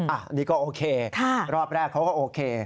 อันนี้ก็โอเครอบแรกเขาก็โอเค